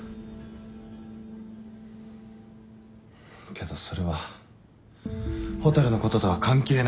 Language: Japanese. けどそれは蛍のこととは関係ない。